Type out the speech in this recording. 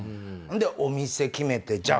お店決めてじゃあ